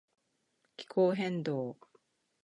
気候変動